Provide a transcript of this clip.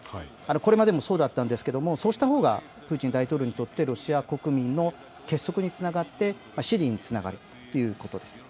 これまでもそうだったんですが、そうしたほうがプーチン大統領にとってロシア国民の結束につながって支持につながるということです。